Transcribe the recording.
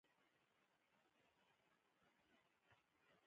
بېکاري او د عاید نابرابري باید کمه شي.